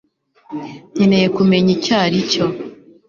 nkeneye kumenya icyo aricyo